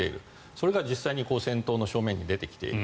それが実際に戦闘の正面に出てきている。